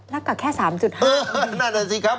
แล้วก็แค่๓๕กิโลเมตรเออนั่นแหละสิครับ